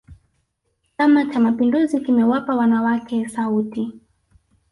chama cha mapinduzi kimewapa wanawake sauti